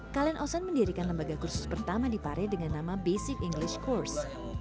kalen osen mendirikan lembaga kursus pertama di pare dengan nama basic english kurs